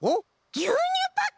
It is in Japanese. ぎゅうにゅうパック！